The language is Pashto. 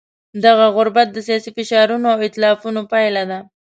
دغه غربت د سیاسي فشارونو او ایتلافونو پایله ده.